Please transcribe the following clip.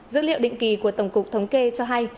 dữ liệu định kỳ của tổng cục thống kê cho hay